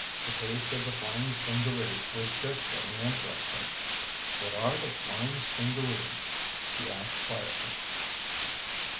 The case of the flying stingaree was just getting interesting. "What are the flying stingarees?" he asked quietly.